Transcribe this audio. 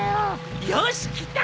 よしきた！